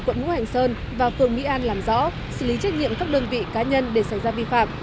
quận ngũ hành sơn và phường mỹ an làm rõ xử lý trách nhiệm các đơn vị cá nhân để xảy ra vi phạm